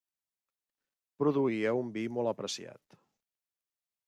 Produïa un vi molt apreciat.